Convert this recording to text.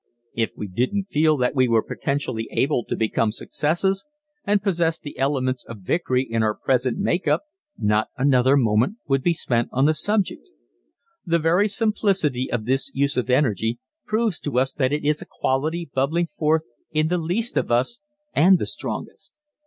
If we didn't feel that we were potentially able to become successes and possessed the elements of victory in our present make up not another moment would be spent on the subject. The very simplicity of this use of energy proves to us that it is a quality bubbling forth in the least of us and the strongest.